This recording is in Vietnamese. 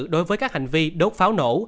đối với các hành vi đốt pháo nổ